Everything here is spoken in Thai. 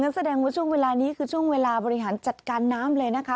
แสดงว่าช่วงเวลานี้คือช่วงเวลาบริหารจัดการน้ำเลยนะคะ